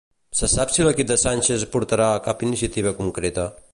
Se sap si l'equip de Sánchez portarà cap iniciativa concreta?